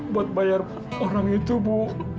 buat bayar orang itu bu